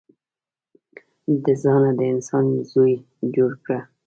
د ځانه د انسان زوی جوړ که.